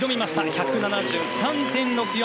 １７３．６４。